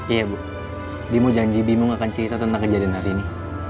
iya bu bimu janji bimu gak akan cerita tentang kejadian hari ini